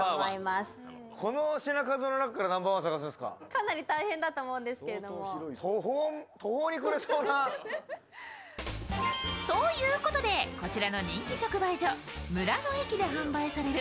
かなり大変だと思うんですけれども。ということで、こちらの人気直売所、村の駅で販売される